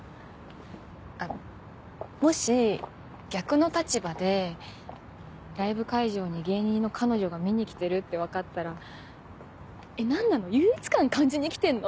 あっもし逆の立場でライブ会場に芸人の彼女が見に来てるって分かったら「えっ何なの優越感感じに来てんの？」